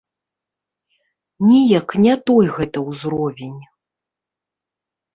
Неяк не той гэта ўзровень.